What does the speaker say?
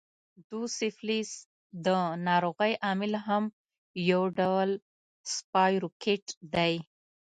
دوسفلیس د ناروغۍ عامل هم یو ډول سپایروکیټ دی.